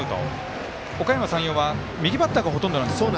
おかやま山陽は、右バッターがほとんどなんですよね。